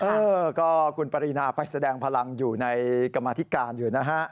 เออก็คุณปรินาไปแสดงพลังอยู่ในกรรมธิการอยู่นะฮะ